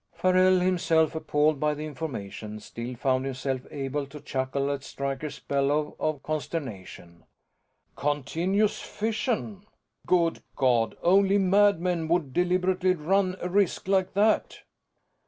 Farrell, himself appalled by the information, still found himself able to chuckle at Stryker's bellow of consternation. "Continuous fission? Good God, only madmen would deliberately run a risk like that!"